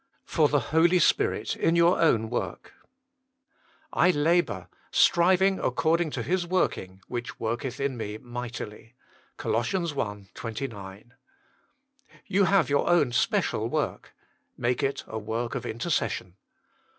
Jot tljc 1olg Spirit in jroitr olnn Wlorh "I labour, striving according to His working, which worketh in me mightily." COL. i. 29. You have your own special work ; make it a work of inter cession.